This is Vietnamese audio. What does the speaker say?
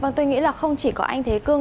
vâng tôi nghĩ là không chỉ có anh thế cương